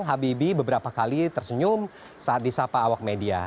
habibie beberapa kali tersenyum saat disapa awak media